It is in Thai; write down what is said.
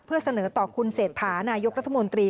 เพื่อเสนอต่อคุณเศรษฐานายกรัฐมนตรี